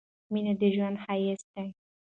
مينه د ژوند ښايست دي